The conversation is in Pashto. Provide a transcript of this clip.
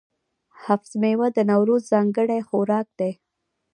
هفت میوه د نوروز ځانګړی خوراک دی.